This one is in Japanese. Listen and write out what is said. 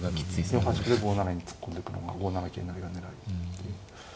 ４八歩で５七に突っ込んでくのが５七桂成が狙えて。